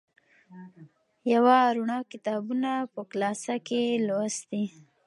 یوه روڼه کتابونه په کلاسه کې لوستي.